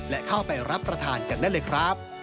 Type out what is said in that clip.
และเข้าไปรับประทานกันได้เลยครับ